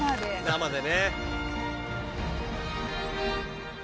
生でね。